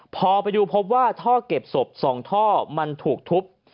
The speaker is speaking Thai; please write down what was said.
พอไปดูพบว่าท่อเก็บศพ๒ท่อมันถูกทุบ